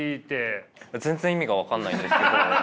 全然意味が分かんないんですけど。